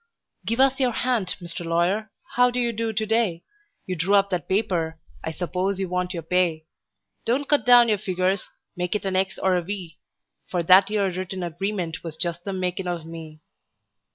"GIVE US YOUR HAND, MR. LAWYER: HOW DO YOU DO TO DAY?" You drew up that paper I s'pose you want your pay. Don't cut down your figures; make it an X or a V; For that 'ere written agreement was just the makin' of me.